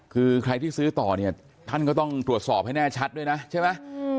คือใครที่ซื้อต่อเนี่ยท่านก็ต้องตรวจสอบให้แน่ชัดด้วยนะใช่ไหม